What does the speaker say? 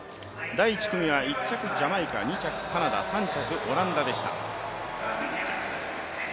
第１組は１着ジャマイカ、２着カナダ、３着オランダでした。